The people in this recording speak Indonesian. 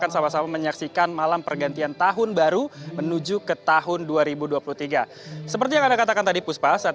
selamat siang puspa